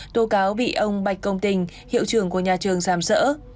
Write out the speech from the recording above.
tố cáo bị ông bạch công tình hiệu trưởng của nhà trường giam sỡ